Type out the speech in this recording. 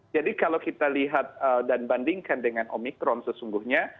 jadi kalau kita lihat dan bandingkan dengan omikron sesungguhnya